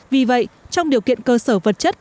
vì vậy trong điều kiện cơ sở vật chất